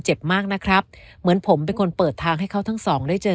เจ็บมากนะครับเหมือนผมเป็นคนเปิดทางให้เขาทั้งสองได้เจอ